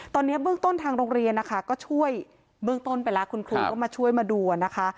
ตอนนี้เบื้องต้นไปละคุณครูแอบมาช่วยมาดูนะคะ